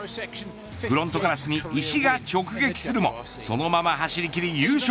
フロントガラスに石が直撃するもそのまま走り切り優勝。